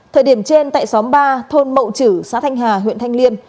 thời điểm trên tại xóm ba thôn mậu chử xã thanh hà huyện thanh liêm